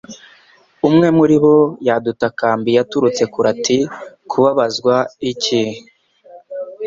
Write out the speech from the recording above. Umwe muri bo yadutakambiye aturutse kure ati Kubabazwa iki